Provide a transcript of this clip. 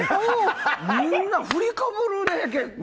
みんな振りかぶるね、結構。